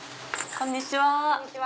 こんにちは。